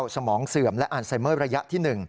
สมองเสื่อมและอันไซเมอร์ระยะที่๑